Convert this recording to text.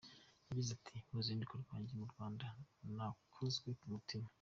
Yagize ati “Mu ruzinduko rwanjye mu Rwanda, nakozwe ku mutima.